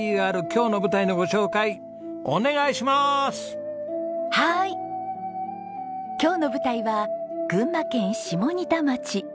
今日の舞台は群馬県下仁田町。